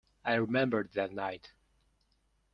I remember that night.